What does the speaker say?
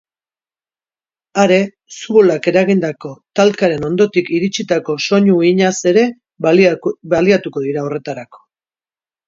Are, su-bolak eragindako talkaren ondotik iritsitako soinu-uhinaz ere baliatu dira horretarako.